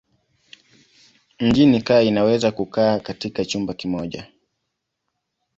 Mjini kaya inaweza kukaa katika chumba kimoja.